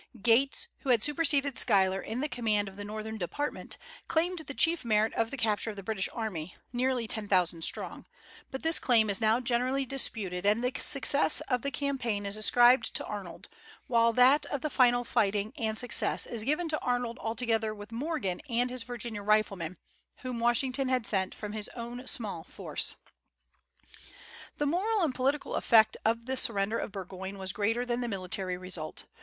Gates, who had superseded Schuyler in the command of the Northern department, claimed the chief merit of the capture of the British army, nearly ten thousand strong; but this claim is now generally disputed, and the success of the campaign is ascribed to Arnold, while that of the final fighting and success is given to Arnold together with Morgan and his Virginia riflemen, whom Washington had sent from his own small force. The moral and political effect of the surrender of Burgoyne was greater than the military result.